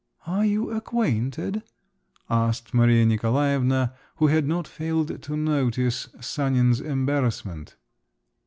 "Are you acquainted?" asked Maria Nikolaevna who had not failed to notice Sanin's embarrassment.